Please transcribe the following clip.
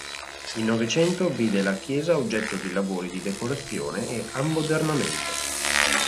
Il Novecento vide la chiesa oggetto di lavori di decorazione e ammodernamento.